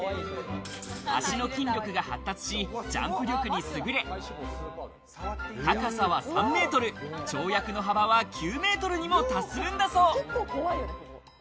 足の筋力が発達し、ジャンプ力にすぐれ、高さ３メートル、跳躍の幅は９メートルにも達するんだそう。